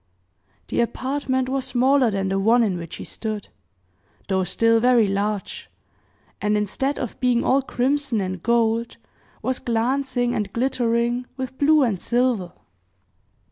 The apartment was smaller than the one in which he stood though still very large, and instead of being all crimson and gold, was glancing and glittering with blue and silver.